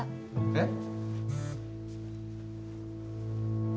えっ？